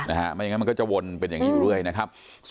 ไม่อย่างนั้นมันก็จะวนเป็นอย่างนี้อยู่เรื่อยนะครับ